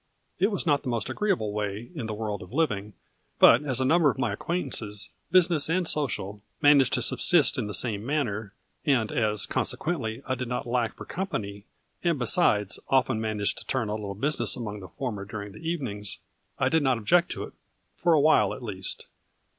It was not the most agreeable way in the world of living, but as a number of my acquaint ances, business and social, managed to subsist in the same manner, and as, consequently, I did 20 A FLURRY IN DIAMONDS. not lack for company, and besides, often man aged to turn a little business among the former during the evenings, I did not object to it for a while at least.